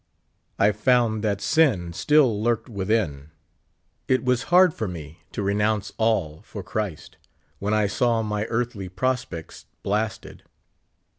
I found that sin still lurked within ; it was hard for me to renounce all for Christ, 75 when I saw my earthly prospects blasted.